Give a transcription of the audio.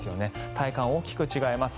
体感、大きく違います。